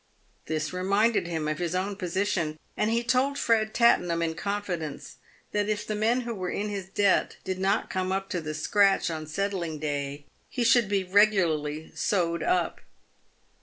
This reminded him of his own position, and he told Fred Tattenhamin confidence that if the men who were in his debt did not come up to the scratch on settling day he should be regularly " sewed up."